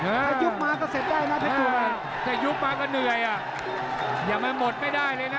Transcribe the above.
ถ้ายุบมาก็เสร็จได้นะเพชรบูแต่ยุบมาก็เหนื่อยอ่ะอย่ามาหมดไม่ได้เลยนะ